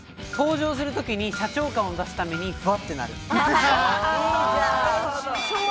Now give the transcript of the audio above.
登場する時に社長感を出すためにフワッとなる。